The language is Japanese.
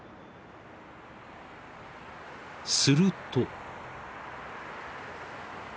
［すると］